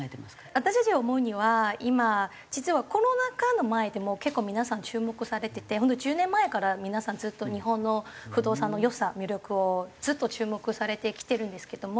私たちが思うには今実はコロナ禍の前でも結構皆さん注目されてて本当に１０年前から皆さんずっと日本の不動産の良さ魅力をずっと注目されてきてるんですけども。